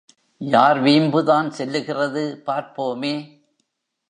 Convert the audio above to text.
யார் வீம்புதான் செல்லுகிறது, பார்ப்போமே!